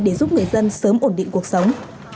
để giúp người dân sớm ổn định cuộc sống